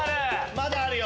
まだあるよ